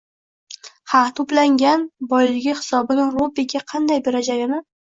Ha, to'plagan boyligi hisobini Robbiga qanday berajagini